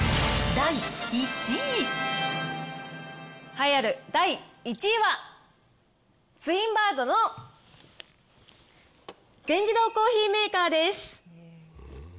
栄えある第１位は、ツインバードの全自動コーヒーメーカーです。